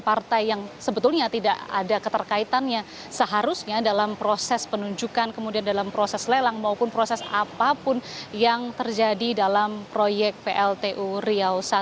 partai yang sebetulnya tidak ada keterkaitannya seharusnya dalam proses penunjukan kemudian dalam proses lelang maupun proses apapun yang terjadi dalam proyek pltu riau i